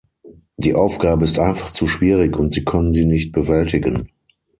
Die Aufgabe ist einfach zu schwierig und sie können sie nicht bewältigen.